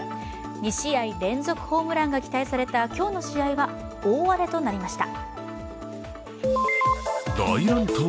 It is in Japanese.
２試合連続ホームランが期待された今日の試合は大荒れとなりました。